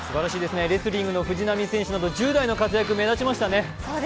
レスリングの藤波選手など１０代の活躍が目立ちましたね。